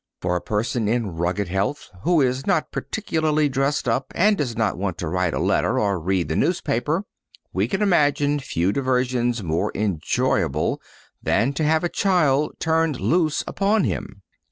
For a person in rugged health who is not particularly dressed up and does not want to write a letter or read the newspaper, we can imagine few diversions more enjoyable than to have a child turned loose upon him.